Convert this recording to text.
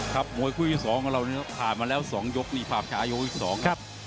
ครับมวยคุยที่สองเราผ่านมาแล้วสองยกภาพช้ายกที่สอง